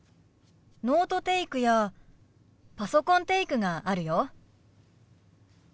ノートテイクやパソコンテイクがあるよ。